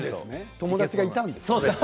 友達がいたんですね。